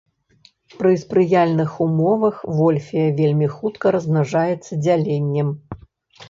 Пры спрыяльных умовах вольфія вельмі хутка размнажаецца дзяленнем.